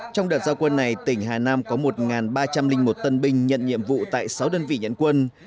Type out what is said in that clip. trong đợt giao quân này tỉnh hà nam có một ba trăm linh một tân binh nhận nhiệm vụ tại sáu đơn vị nhận quân